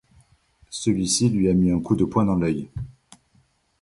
Celui-ci lui a mis un coup de poing dans l’œil.